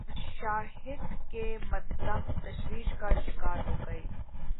اور شاہد کے مداح تشویش کا شکار ہوگئے۔